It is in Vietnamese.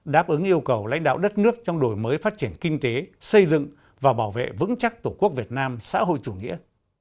đáp ứng yêu cầu lãnh đạo đất nước trong đổi mới phát triển kinh tế xây dựng và bảo vệ vững chắc tổ quốc việt nam xã hội chủ nghĩa